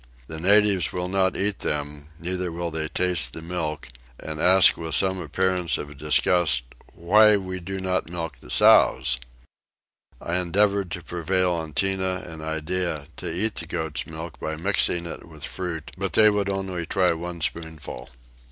The natives will not eat them, neither will they taste the milk, and ask with some appearance of disgust why we do not milk the sows? I endeavoured to prevail on Tinah and Iddeah to eat the goats milk by mixing it with fruit, but they would only try one spoonful.